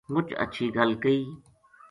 مچ ہچھی گل کہی